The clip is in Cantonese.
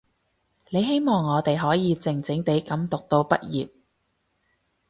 你希望我哋可以靜靜地噉讀到畢業